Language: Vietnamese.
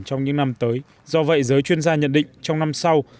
trong những năm tới do vậy giới chuyên gia nhận định trong năm sau